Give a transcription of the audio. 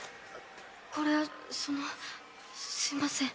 これはそのすみません。